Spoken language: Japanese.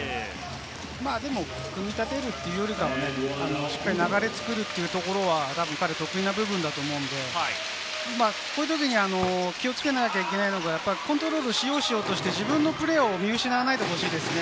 でも組み立てるというよりか、しっかりと流れをつくるというところは、たぶん彼、得意な部分だと思うので、こういうときに気をつけなきゃいけないのが、コントロールしようしようとして、自分のプレーを見失わないでほしいですね。